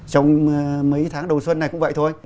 trong mấy tháng đầu xuân này cũng vậy thôi